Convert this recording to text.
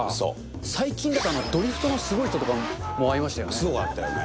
最近だとドリフトのすごい人とかすごかったよね。